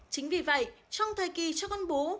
chính vì vậy trong thời kỳ cho con bú